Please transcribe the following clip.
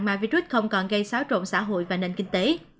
mà virus không còn gây xáo trộn xã hội và nền kinh tế